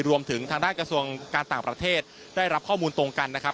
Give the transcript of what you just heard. รวมถึงทางด้านกระทรวงการต่างประเทศได้รับข้อมูลตรงกันนะครับ